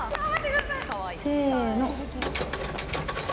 せの。